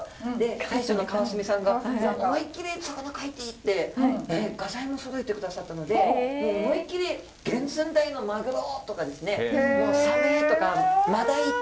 大将の川澄さんが思いっきり魚描いていいって画材もそろえて下さったのでもう思いっきり原寸大のマグロとかですねサメとかマダイって描いてたんです。